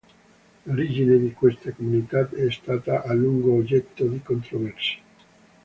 L'origine di queste comunità è stata a lungo oggetto di controversie.